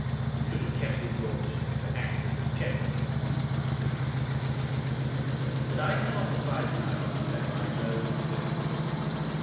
"You should have kept his lordship to act as a check on the Honourable Spiffington," I said; "but I cannot advise now, unless I know everything."